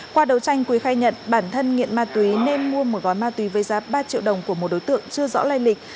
qua đầu tranh quý khai nhận bản thân nghiện ma túy nên mua một gói ma túy với giá ba triệu đồng của một đối tượng chưa rõ lây lịch